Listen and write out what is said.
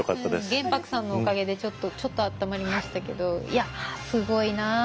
玄白さんのおかげでちょっと温まりましたけどいやすごいなあ。